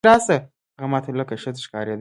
هغه ما ته لکه ښځه ښکارېده.